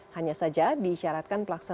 hanya saja diisyaratkan pelaksanaan